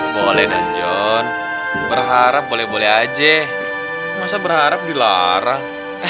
boleh nanjon berharap boleh boleh aja masa berharap dilarang